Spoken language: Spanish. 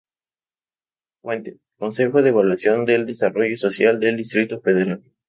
Fuente: Consejo de Evaluación del Desarrollo Social del Distrito Federal.